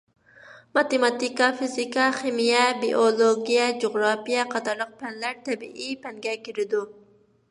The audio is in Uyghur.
ماتېماتىكا، فىزىكا، خىمىيە، بىئولوگىيە، جۇغراپىيە قاتارلىق پەنلەر تەبىئىي پەنگە كىرىدۇ.